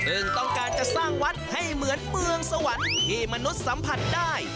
ซึ่งต้องการจะสร้างวัดให้เหมือนเมืองสวรรค์ที่มนุษย์สัมผัสได้